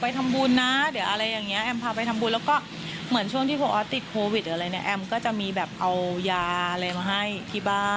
ทีนี้หลังการเสียชีวิตของครูตายไปแล้วแล้วทีแรกทุกคนก็คิดว่าเออสงสัยครูตายอาจจะโหมงานหนัก